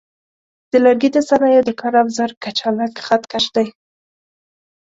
د لرګي د صنایعو د کار افزار کچالک خط کش دی.